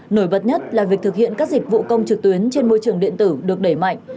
nổi bật nhất là việc thực hiện các dịch vụ công trực tuyến trên môi trường điện tử được đẩy mạnh